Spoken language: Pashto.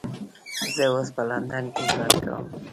زه اوس په لندن کې ژوند کوم